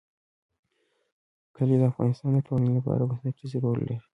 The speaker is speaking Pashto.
کلي د افغانستان د ټولنې لپاره بنسټيز رول لري.